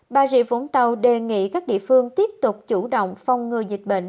bà rịa vũng tàu đề nghị các địa phương tiếp tục chủ động phong ngừa dịch bệnh